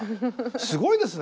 すごいですね。